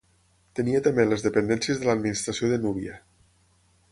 Tenia també les dependències de l'administració de Núbia.